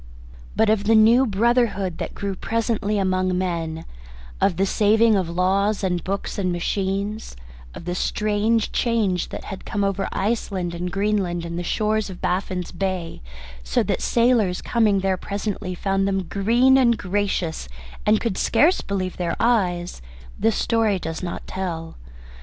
But of the new brotherhood that grew presently among men, of the saving of laws and books and machines, of the strange change that had come over Iceland and Greenland and the shores of Baffin's Bay, so that the sailors coming there presently found them green and gracious, and could scarce believe their eyes, this story does not tell.